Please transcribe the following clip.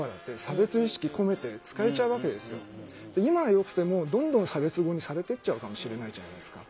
今はよくてもどんどん差別語にされてっちゃうかもしれないじゃないですか。